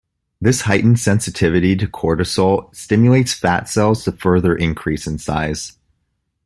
This heightened sensitivity to cortisol stimulates fat cells to further increase in size.